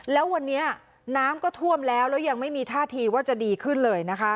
แล้ววันนี้น้ำก็ท่วมแล้วแล้วยังไม่มีท่าทีว่าจะดีขึ้นเลยนะคะ